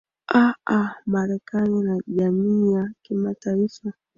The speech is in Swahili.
aa marekani na jamii ya kimataifa